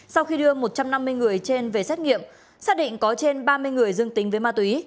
sau khi đưa một trăm năm mươi người trên về xét nghiệm xác định có trên ba mươi người dương tính với ma túy